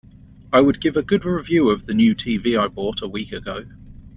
I would give a good review of the new TV I bought a week ago.